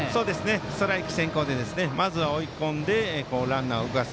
ストライク先行でまずは追い込んでランナーを動かす。